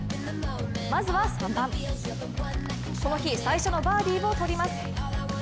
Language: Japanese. まずは３番、この日最初のバーディーを取ります。